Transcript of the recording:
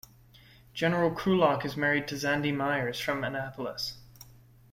General Krulak is married to Zandi Meyers from Annapolis.